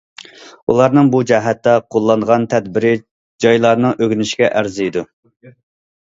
ئۇلارنىڭ بۇ جەھەتتە قوللانغان تەدبىرى جايلارنىڭ ئۆگىنىشىگە ئەرزىيدۇ.